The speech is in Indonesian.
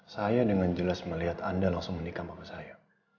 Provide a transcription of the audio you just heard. saya dengan jelas melihat anda langsung menikam bapak saya